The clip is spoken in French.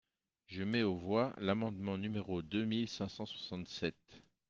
Je mets aux voix l’amendement numéro deux mille cinq cent soixante-sept.